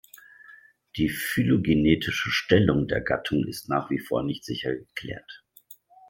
Die phylogenetische Stellung der Gattung ist nach wie vor nicht sicher geklärt.